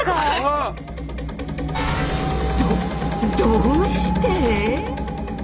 どどうして！？